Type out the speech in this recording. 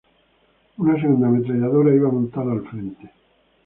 Una segunda ametralladora iba montada al frente.